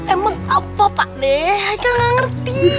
emang apa pak deh aku gak ngerti